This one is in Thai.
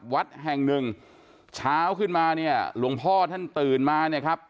วัดแห่งหนึ่งเช้าขึ้นมาเนี่ยหลวงพ่อท่านตื่นมาเนี่ยครับ